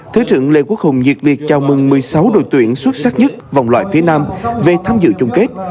thứ trưởng lê quốc hùng nhiệt liệt chào mừng một mươi sáu đội tuyển xuất sắc nhất vòng loại phía nam về tham dự chung kết